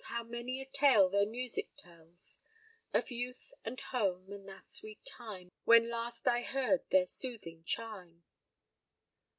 How many a tale their music tells Of youth and home, and that sweet time When last I heard their soothing chime!"